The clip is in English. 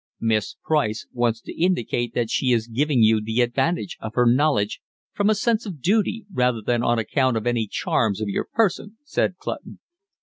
"Miss Price wants to indicate that she is giving you the advantage of her knowledge from a sense of duty rather than on account of any charms of your person," said Clutton.